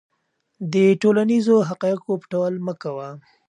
د ټولنیزو حقایقو پټول مه کوه.